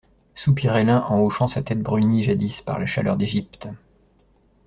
Soupirait l'un en hochant sa tête brunie jadis par la chaleur d'Égypte!